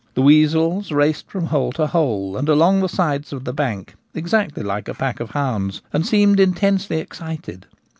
The weasels raced from hole to hole and along the sides of the bank exactly like a pack of hounds, and seemed intensely excited.